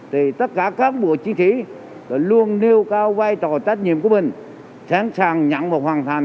tất cả cán bộ chiến sĩ luôn nêu cao vai trò trách nhiệm của mình sẵn sàng nhận hoàn thành